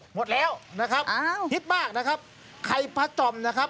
หมดแล้วนะครับอ้าวฮิตมากนะครับไข่พะจ่อมนะครับ